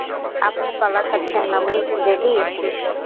আপনি কলা খাচ্ছেন নমিত, রেডি?